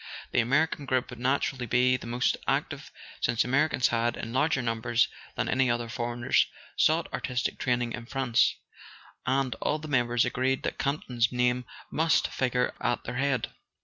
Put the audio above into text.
The American group would naturally be the most active, since Americans had, in larger num¬ bers than any other foreigners, sought artistic training in France; and all the members agreed that Campton's name must figure at their head.